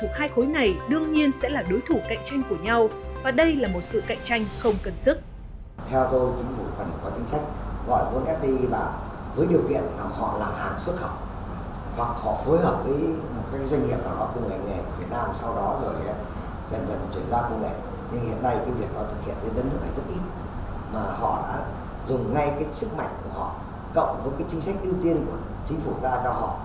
mà họ đã dùng ngay sức mạnh của họ cộng với chính sách ưu tiên của chính phủ ra cho họ